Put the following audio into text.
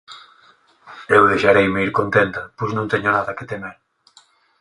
eu deixareime ir contenta, pois non teño nada que temer.